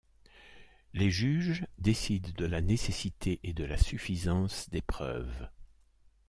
Les juges décident de la nécessité et de la suffisance des preuves.